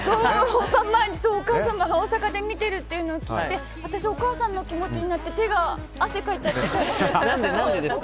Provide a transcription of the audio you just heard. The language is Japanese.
本番前にお母様が大阪で見ているって聞いて私、お母さんの気持ちになって手が汗かいちゃって。